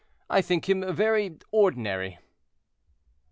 —I think him very ordinary."